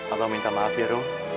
abang minta maaf ya rum